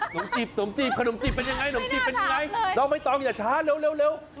ขนมจีบขนมจีบเป็นยังไงน้องไม่ต้องอย่าช้าเร็ว